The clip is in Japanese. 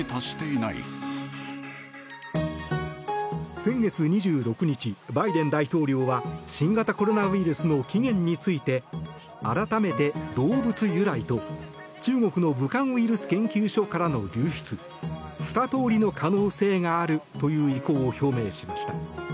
先月２６日、バイデン大統領は新型コロナウイルスの起源について改めて、動物由来と中国の武漢ウイルス研究所からの流出２通りの可能性があるという意向を表明しました。